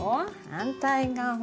反対側。